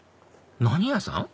何屋さん？